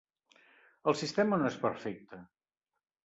El sistema no és perfecte.